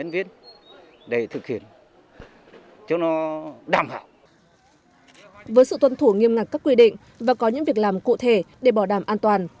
với sự tuân thủ nghiêm ngặt các quy định và có những việc làm cụ thể để bảo đảm an toàn